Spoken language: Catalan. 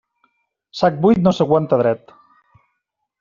Sac buit no s'aguanta dret.